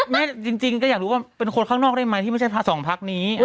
จริงก็อยากรู้ว่าเป็นคนข้างนอกได้ไหมที่ไม่ใช่สองพักนี้